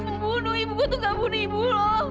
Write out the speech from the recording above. semuanya tuh udah jelas jadi ibu gua tuh gak bunuh ibu lo